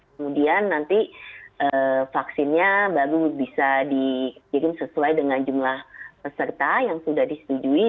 kemudian nanti vaksinnya baru bisa dikirim sesuai dengan jumlah peserta yang sudah disetujui